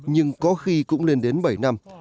nhưng có khi cũng lên đến bảy năm